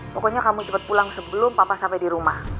pokoknya kamu cepat pulang sebelum papa sampai di rumah